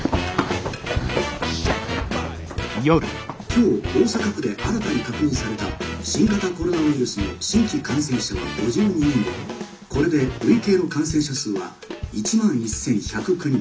「今日大阪府で新たに確認された新型コロナウイルスの新規感染者は５２人でこれで累計の感染者数は１万１，１０９人。